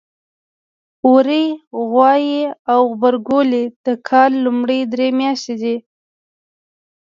وری ، غوایی او غبرګولی د کال لومړۍ درې میاتشې دي.